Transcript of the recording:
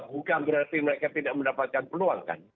bukan berarti mereka tidak mendapatkan peluang kan